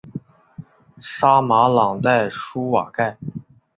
沙马朗代舒瓦盖。